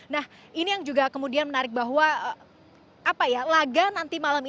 nah ini yang juga kemudian menarik bahwa laga nanti malam ini